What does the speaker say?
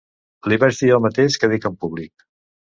Li vaig dir el mateix que dic en públic.